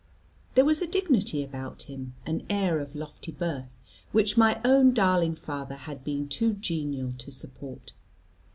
There was a dignity about him, an air of lofty birth, which my own darling father had been too genial to support.